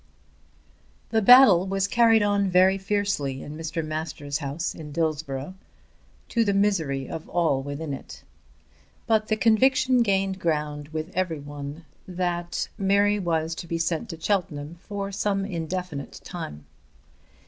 The battle was carried on very fiercely in Mr. Masters' house in Dillsborough, to the misery of all within it; but the conviction gained ground with every one there that Mary was to be sent to Cheltenham for some indefinite time.